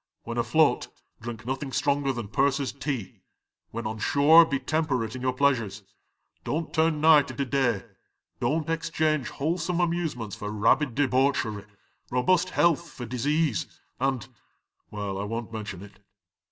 When afloat, drink nothing stronger than purser's tea. When on shore be temperate in your pleasures ; don't turn night into day ; don't exchange wholesome amusements for rabid debauchery, robust health for disease and — well, I won't mention it.